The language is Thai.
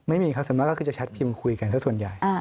ไม่มีความสัญญาก็คือจะแชทพิมพ์คุยกันสักส่วนใหญ่